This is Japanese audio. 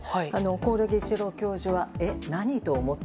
興梠一郎教授はえ、何？と思った。